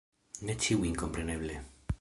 Ne ĉiujn, kompreneble.